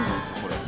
これ。